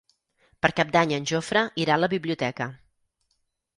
Per Cap d'Any en Jofre irà a la biblioteca.